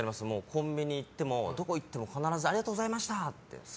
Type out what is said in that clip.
コンビニ行ってもどこに行っても必ずありがとうございました！